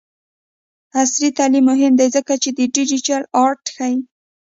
عصري تعلیم مهم دی ځکه چې د ډیجیټل آرټ ښيي.